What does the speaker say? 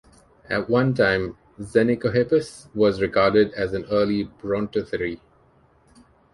At one time, "Xenicohippus" was regarded as an early brontothere.